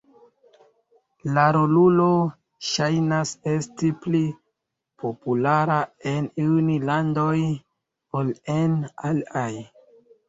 La rolulo ŝajnas esti pli populara en iuj landoj ol en aliaj.